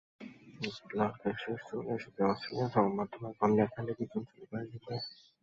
ক্লার্কের শেষ চলে এসেছে—অস্ট্রেলিয়ান সংবাদমাধ্যমে এমন লেখালেখি চলছিল কয়েক দিন ধরেই।